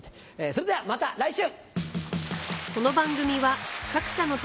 それではまた来週！